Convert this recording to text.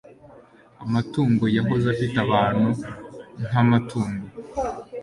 amatungo yahoze afite abantu nkamatungo